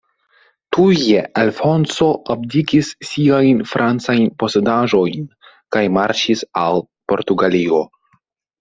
Tuje Alfonso abdikis siajn francajn posedaĵojn kaj marŝis al Portugalio.